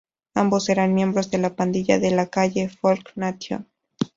Ambos eran miembros de la pandilla "de la calle Folk Nation".